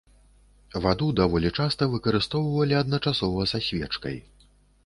Ваду даволі часта выкарыстоўвалі адначасова са свечкай.